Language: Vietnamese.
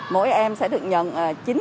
mỗi em sẽ được nhận